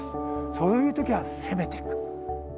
そういう時は攻めてく。